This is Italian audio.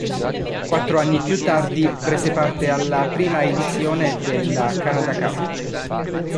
Quattro anni più tardi prese parte alla prima edizione della Canada Cup.